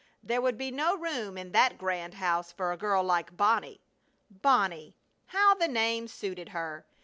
There would be no room in that grand house for a girl like Bonnie. Bonnie! How the name suited her!